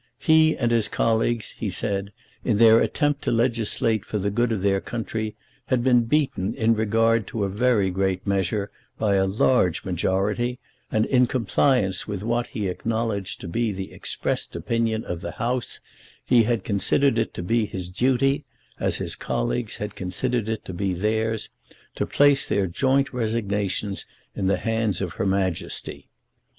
He and his colleagues, he said, in their attempt to legislate for the good of their country had been beaten in regard to a very great measure by a large majority, and in compliance with what he acknowledged to be the expressed opinion of the House, he had considered it to be his duty as his colleagues had considered it to be theirs to place their joint resignations in the hands of Her Majesty.